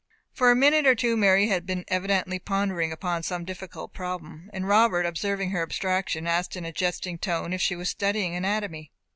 For a minute or two Mary had been evidently pondering upon some difficult problem; and Robert, observing her abstraction, asked in a jesting tone if she was studying anatomy.